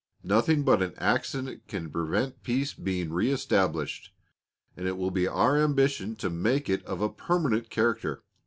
Nothing but an accident can prevent peace being re established, and it will be our ambition to make it of a permanent character.